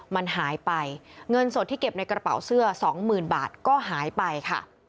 มันหายไปเงินสดที่เก็บในกระเป๋าเสื้อสองหมื่นบาทก็หายไปค่ะ